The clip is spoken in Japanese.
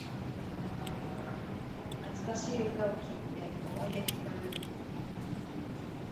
懐かしい歌を聴いて思い出にひたる